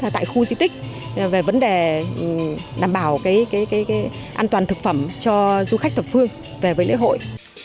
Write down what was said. tại khu di tích về vấn đề đảm bảo an toàn thực phẩm cho du khách thập phương về với lễ hội